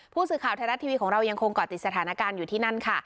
ผู้สื่อข่าวไทยรัฐทีวีของเรายังคงเกาะติดสถานการณ์อยู่ที่นั่นค่ะ